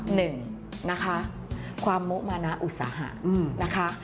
หนึ่งนะคะความโมมานะอุตสาหะนะคะ